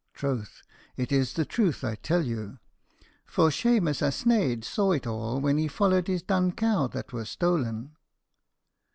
Troth, it is the truth I tell you; for Shemus a sneidh saw it all when he followed his dun cow that was stolen."